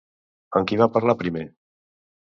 Amb qui va parlar primer?